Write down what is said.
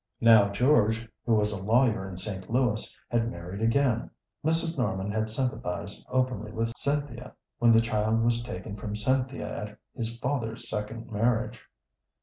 Now George, who was a lawyer in St. Louis, had married again. Mrs. Norman had sympathized openly with Cynthia when the child was taken from Cynthia at his father's second marriage.